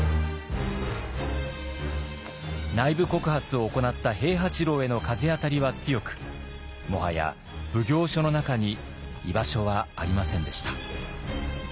内部告発を行った平八郎への風当たりは強くもはや奉行所の中に居場所はありませんでした。